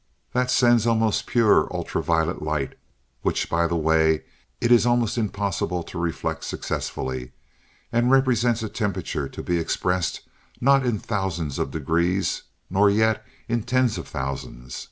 That sends almost pure ultra violet light which, by the way, it is almost impossible to reflect successfully, and represents a temperature to be expressed not in thousands of degrees, nor yet in tens of thousands.